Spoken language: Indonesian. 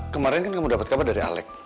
kemarin kan kamu dapat kabar dari alec